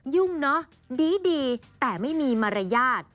ยุ่งเนอะดีแต่ไม่มีมารยาท